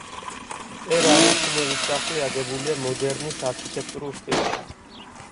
ტერ-არუთინოვის სახლი აგებულია მოდერნის არქიტექტურულ სტილში.